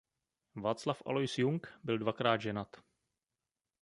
Václav Alois Jung byl dvakrát ženat.